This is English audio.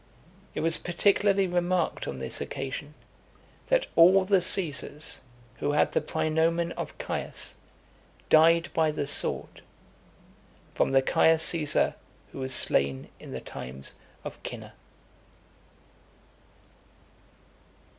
It was particularly remarked on this occasion, that all the Caesars, who had the praenomen of Caius, died by the sword, from the Caius Caesar who was slain in the times of Cinna.